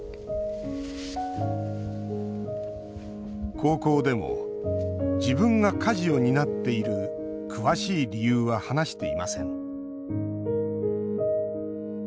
高校でも自分が家事を担っている詳しい理由は話していません。